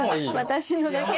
私のだけど。